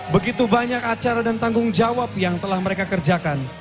begitu banyak acara dan tanggung jawab yang telah mereka kerjakan